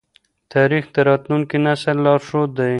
تاریخ د راتلونکي نسل لارښود دی.